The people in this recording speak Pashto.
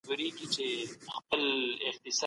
جنګونه همېشه پر مځکي بدبختي راولي.